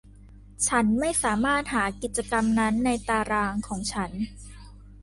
ฉันไม่สามารถหากิจกรรมนั้นในตารางของฉัน